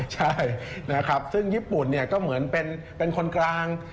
ใช่ซึ่งญี่ปุ่นก็เหมือนเป็นคนกลาง